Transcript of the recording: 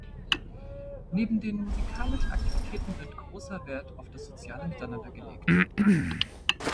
Neben den musikalischen Aktivitäten wird großer Wert auf das soziale Miteinander gelegt.